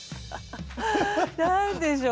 何でしょう。